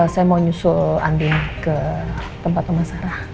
saya mau nyusul andien ke tempat oma sarah